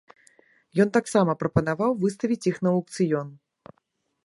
Ён таксама прапанаваў выставіць іх на аўкцыён.